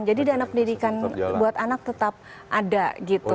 jadi dana pendidikan buat anak tetap ada gitu